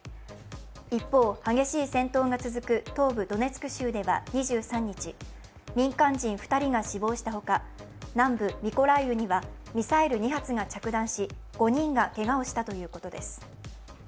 一方、激しい戦闘が続く東部ドネツク州では２３日、民間人２人が死亡したほか南部ミコライウにはミサイル２発が着弾し５人がけがをしたということです。